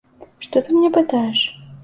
Што ты ў мяне пытаеш?